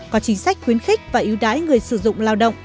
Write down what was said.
có chính sách khuyến khích và ưu đãi người sử dụng lao động